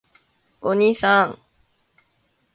おにいさん！！！